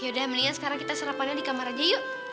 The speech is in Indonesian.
yaudah mendingan sekarang kita serapannya di kamar aja yuk